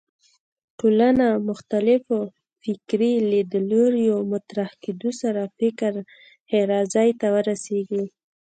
ټولنه مختلفو فکري لیدلوریو مطرح کېدو سره فکر ښېرازۍ ته ورسېږي